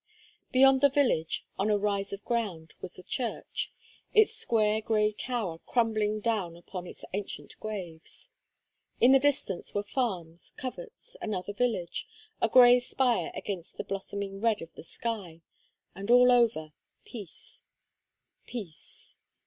Beyond the village, on a rise of ground, was the church, its square gray tower crumbling down upon its ancient graves. In the distance were farms, coverts, another village, a gray spire against the blossoming red of the sky; and over all peace peace.